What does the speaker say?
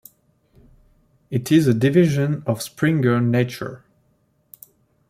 It is a division of Springer Nature.